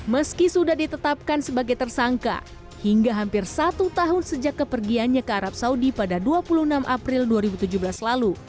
meski sudah ditetapkan sebagai tersangka hingga hampir satu tahun sejak kepergiannya ke arab saudi pada dua puluh enam april dua ribu tujuh belas lalu